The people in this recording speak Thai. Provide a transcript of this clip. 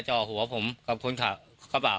เจาะหัวผมกับคนเกล้ากระเป๋า